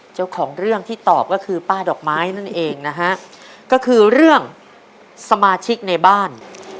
เจ้าของเรื่องที่ตอบก็คือป้าดอกไม้นั่นเองนะฮะก็คือเรื่องสมาชิกในบ้าน